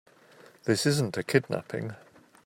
This isn't a kidnapping.